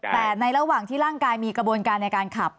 แต่ในระหว่างที่ร่างกายมีกระบวนการในการขับ